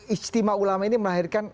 istimewa ulama ini melahirkan